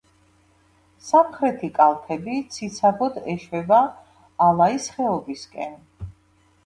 სამხრეთი კალთები ციცაბოდ ეშვება ალაის ხეობისკენ.